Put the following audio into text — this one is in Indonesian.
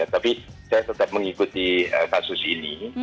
tapi saya tetap mengikuti kasus ini